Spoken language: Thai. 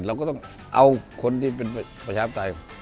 เราก็ต้องเอาคนที่เป็นประชาภิคฤติกริม